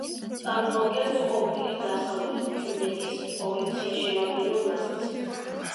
წარმოადგენს ყოფილი დასავლეთ ფინეთის პროვინციის შემადგენელ ნაწილს.